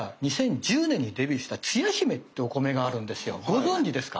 ご存じですか？